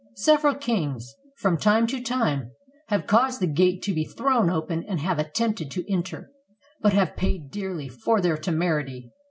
Several kings, from time to time, have caused the gate to be thrown open and have attempted to enter, but have paid dearly for their temerity.